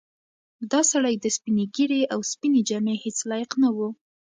دا سړی د سپینې ږیرې او سپینې جامې هیڅ لایق نه و.